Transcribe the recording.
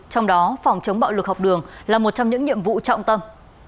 trong đó phòng chống bạo lực học đường là một trong những nhiệm vụ trọng tâm